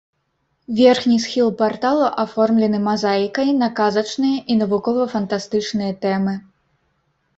Верхні схіл партала аформлены мазаікай на казачныя і навукова-фантастычныя тэмы.